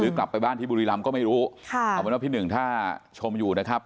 กลับไปบ้านที่บุรีรำก็ไม่รู้ค่ะเอาเป็นว่าพี่หนึ่งถ้าชมอยู่นะครับ